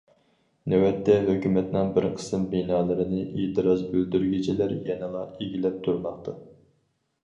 نۆۋەتتە ھۆكۈمەتنىڭ بىر قىسىم بىنالىرىنى ئېتىراز بىلدۈرگۈچىلەر يەنىلا ئىگىلەپ تۇرماقتا.